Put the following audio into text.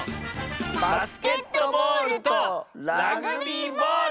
バスケットボールとラグビーボール！